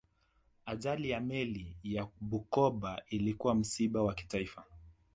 ajali ya meli ya bukoba ilikuwa msiba wa kitaifa